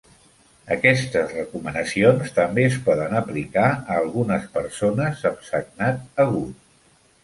Aquestes recomanacions també es poden aplicar a algunes persones amb sagnat agut.